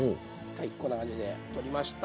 はいこんな感じで取りました。